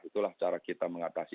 itulah cara kita mengatasi